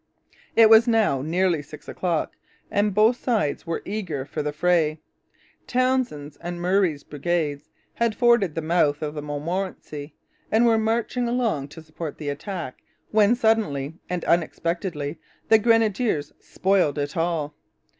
It was now nearly six o'clock; and both sides were eager for the fray. Townshend's and Murray's brigades had forded the mouth of the Montmorency and were marching along to support the attack, when, suddenly and unexpectedly, the grenadiers spoiled it all!